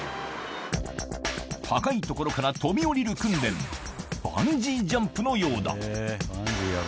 高い所から飛び降りる訓練、バンジージャンプのようだ。